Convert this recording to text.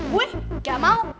gue gak mau